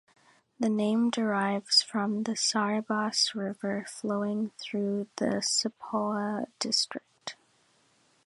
The name derives from the Saribas river flowing through the Spaoh district.